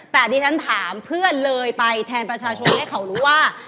แต่ดิฉันถามเพื่อนเลยไปแทนประชาชนให้เขารู้ว่า